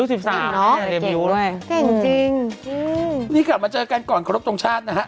วันนี้กลับมาเจอกันก่อนครบตรงชาตินะฮะ